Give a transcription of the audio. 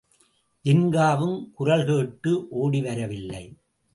ஜின்காவும் குரல் கேட்டு ஓடி வரவில்லை.